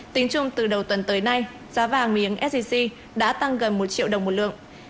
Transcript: tính chung từ đầu tuần tới nay giá vàng miếng sgc đã tăng gần một triệu đồng một lượng